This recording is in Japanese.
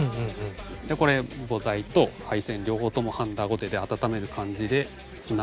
これ母材と配線両方ともはんだごてで温める感じで。